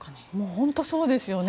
本当にそうですよね。